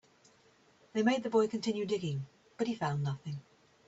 They made the boy continue digging, but he found nothing.